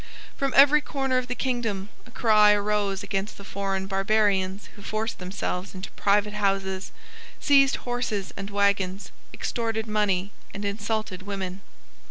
From every corner of the kingdom a cry arose against the foreign barbarians who forced themselves into private houses, seized horses and waggons, extorted money and insulted women.